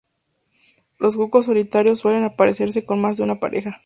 Los cucos solitarios suelen aparearse con más de una pareja.